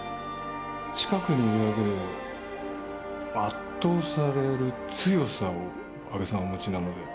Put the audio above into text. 近くにいるだけで圧倒される強さを阿部さんはお持ちなので。